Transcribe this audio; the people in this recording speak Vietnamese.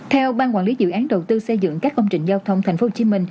theo ban quản lý dự án đầu tư xây dựng các công trình giao thông tp hcm